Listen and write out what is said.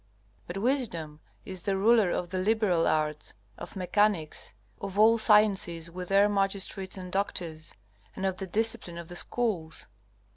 But Wisdom is the ruler of the liberal arts, of mechanics, of all sciences with their magistrates and doctors, and of the discipline of the schools.